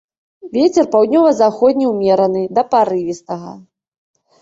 Вецер паўднёва-заходні ўмераны да парывістага.